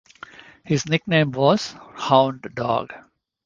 His nickname was "Hound Dog".